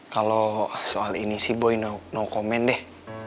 kalau soal ini sih boy no comment deh